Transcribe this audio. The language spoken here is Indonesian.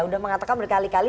udah mengatakan berkali kali